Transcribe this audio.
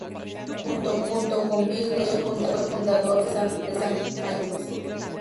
Junto con Bill Gates fue fundador de la empresa Microsoft.